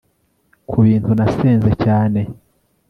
kubintu nasenze cyane